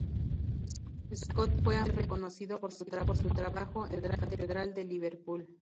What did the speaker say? Scott fue ampliamente reconocido por su trabajo en la Catedral de Liverpool.